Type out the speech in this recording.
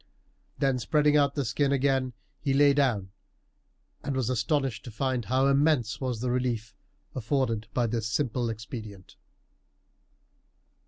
Then spreading out the skin again he lay down, and was astonished to find how immense was the relief afforded by this simple expedient.